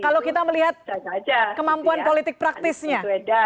kalau kita melihat kemampuan politik praktisnya beda